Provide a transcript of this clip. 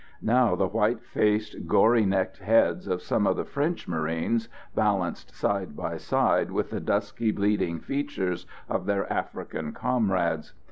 Now the white faced, gory necked heads of some of the French marines balanced side by side with the dusky bleeding features of their African comrades.